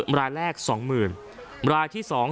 มารายแรก๒๐๐๐๐มารายที่๒๔๐๐๐๐